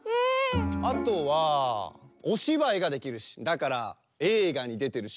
あとはおしばいができるしだからえいがにでてるし。